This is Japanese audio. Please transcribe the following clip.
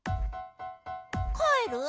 かえる？